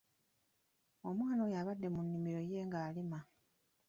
Omwana oyo abadde mu nnimiro ye ng'alima.